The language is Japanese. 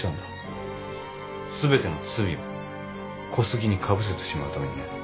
すべての罪を小杉にかぶせてしまうためにね。